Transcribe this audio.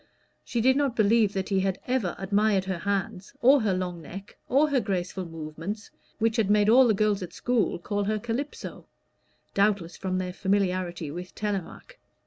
She did not believe that he had ever admired her hands, or her long neck, or her graceful movements, which had made all the girls at school call her Calypso (doubtless from their familiarity with "Telémaque").